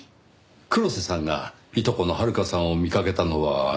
黒瀬さんがいとこの遥香さんを見かけたのは３日ほど前。